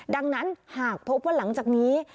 ดังนั้นหากพบว่าหลังจากนี้